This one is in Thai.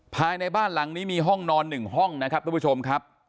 ภายในบ้านหลังนี้มีห้องนอน๑ห้องนะครับทุกผู้ชมครับ